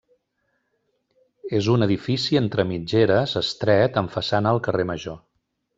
És un edifici entre mitgeres, estret, amb façana al carrer Major.